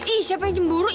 ih siapa yang cemburu